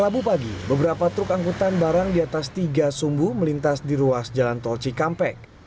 rabu pagi beberapa truk angkutan barang di atas tiga sumbu melintas di ruas jalan tol cikampek